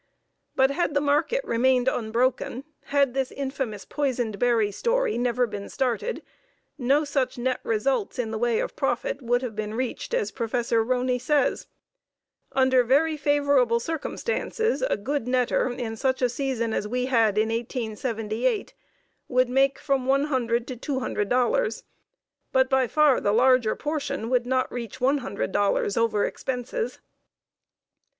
But had the market remained unbroken, had this infamous poisoned berry story never been started, no such net results in way of profit would have been reached as Prof. Roney says. Under very favorable circumstances, a good netter in such a season as we had in 1878, would make from $100 to $200, but by far the larger portion would not reach $100 over expenses.